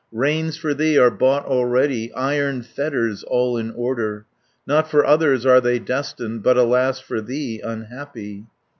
Reins for thee are bought already, Iron fetters all in order, Not for others are they destined, But alas, for thee, unhappy.